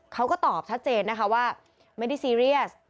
เขาก็ตอบชัดเจนนะคะว่าไม่ได้ซีเรียส